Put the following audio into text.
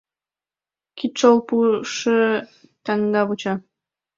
Кидшол пуышо таҥна вуча.